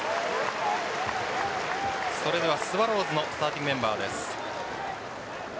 それではスワローズのスターティングメンバーです。